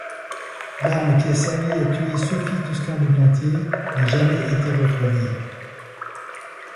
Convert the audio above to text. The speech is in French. L’arme qui a servi à tuer Sophie Toscan du Plantier n’a jamais été retrouvée.